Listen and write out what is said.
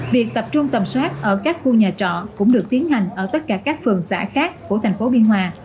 việc tập trung tầm soát ở các khu nhà trọ cũng được tiến hành ở tất cả các phường xã khác của thành phố biên hòa